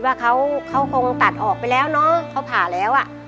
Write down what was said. บอกอะไรป้าป้าคิดว่าเขาคงตัดออกไปแล้วเนอะเขาผ่าแล้วอ่ะ